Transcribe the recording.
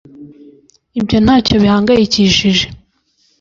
ibyo ntacyo bihangayikishije